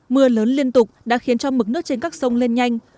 mưa lớn liên tục đã khiến cho mực nước trên các sông lên nhanh